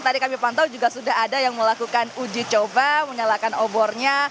tadi kami pantau juga sudah ada yang melakukan uji coba menyalakan obornya